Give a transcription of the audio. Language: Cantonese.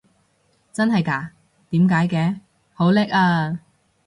真係嘎？點解嘅？好叻啊！